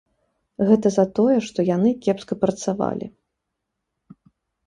Гэта за тое, што яны кепска працавалі.